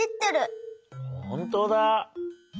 ほんとうだ！